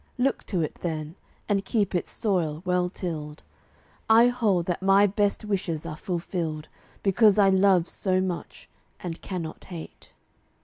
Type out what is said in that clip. Look to it, then, and keep its soil well tilled. I hold that my best wishes are fulfilled Because I love so much, and cannot hate.